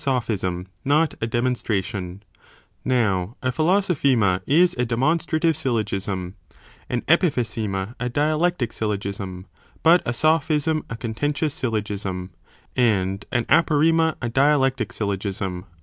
Sophism, not a demonstration. Now, a philoso also Anal. Pr. phema is a demonstrative syllogism; an epichei a rema, ἃ dialectic syllogism ; but a sophism, a con tentious syllogism; and an aporema, a dialectic syllogism of contradiction."